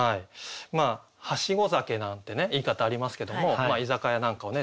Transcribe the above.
はしご酒なんてね言い方ありますけども居酒屋なんかをね